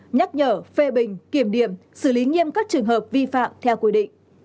nhắc nhở phê bình kiểm điểm xử lý nghiêm các trường hợp vi phạm theo quy định